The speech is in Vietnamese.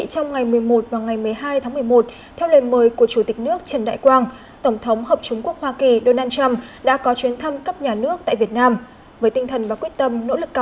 trong ngày một mươi một và ngày một mươi hai tháng một mươi một theo lời mời của chủ tịch nước trần đại quang tổng thống hợp chủng quốc hoa kỳ donald trump đã có chuyến thăm cấp nhà nước tại việt nam